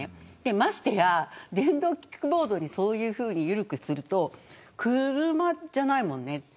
ましてや電動キックボードにそういうふうに緩くすると車じゃないもんね